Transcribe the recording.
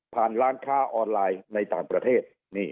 ร้านค้าออนไลน์ในต่างประเทศ